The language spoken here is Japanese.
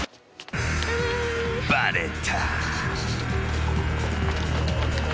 ［バレた］